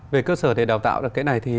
về cơ sở để đào tạo chúng tôi cũng thấy rằng